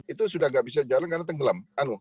itu sudah tidak bisa jalan karena tenggelam